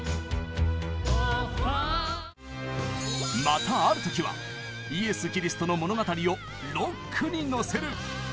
またある時はイエス・キリストの物語をロックにのせる。